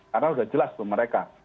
karena udah jelas tuh mereka